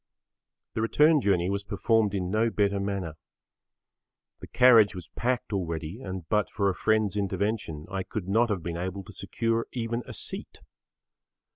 The return journey was performed in no better manner. The carriage was packed already and but for a friend's intervention I could not have been able to secure even a seat.